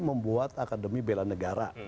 karena itu adalah akademi bela negara